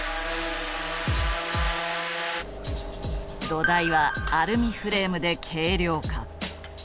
土台はアルミフレームで軽量化。